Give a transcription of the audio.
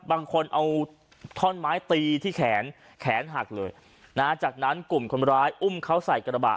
บางคนเอาท่อนไม้ตีที่แขนแขนหักเลยนะฮะจากนั้นกลุ่มคนร้ายอุ้มเขาใส่กระบะ